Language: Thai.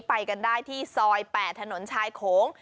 ไปกันได้ที่ซอย๘ถนนชายโขง